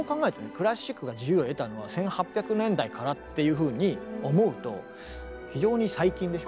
クラシックが自由を得たのは１８００年代からっていうふうに思うと非常に最近でしょ。